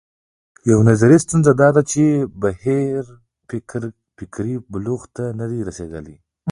یوه نظري ستونزه دا ده چې دا بهیر فکري بلوغ ته نه دی رسېدلی.